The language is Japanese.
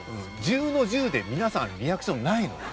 十の十で皆さんリアクションないのよ。